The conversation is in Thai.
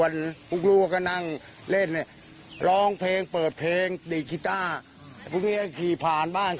ลูกเอาไปทำอะไรให้เขาก่อนหรือเปล่าไม่ได้ทำหรอก